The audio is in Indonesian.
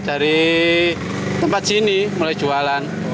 dari tempat sini mulai jualan